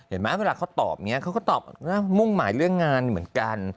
เห็นมั้ยเวลาเขาตอบเนี่ยเขาก็ตอบมุ่งหมายเรื่องงานเหมือนกัน